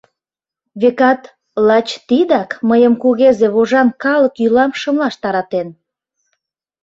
Векат, лач тидак мыйым кугезе вожан калык йӱлам шымлаш таратен.